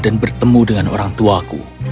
dan bertemu dengan orangtuaku